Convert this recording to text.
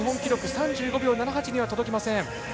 ３５秒７８には届きません。